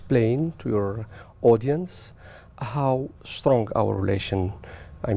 liên hệ quốc tế của chúng tôi vào năm năm mươi bảy